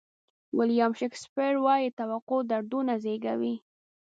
ویلیام شکسپیر وایي توقع دردونه زیږوي.